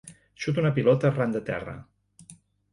Xuto una pilota a ran de terra.